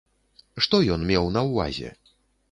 Што ён меў на ўвазе?